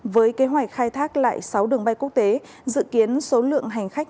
với kế hoạch khai thác lại sáu đường bay quốc tế dự kiến số lượng hành khách